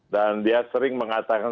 dan dia sering mengatakan